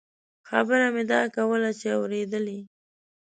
خبره مې دا کوله چې اورېدلې.